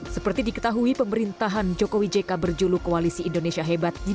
seperti diketahui pemerintahan jokowi jk berjulu koalisi indonesia hebat